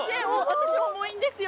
私重いんですよ